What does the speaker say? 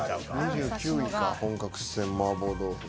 ２９位か本格四川麻婆豆腐。